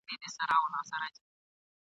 ګناه ستا ده او همدغه دي سزا ده !.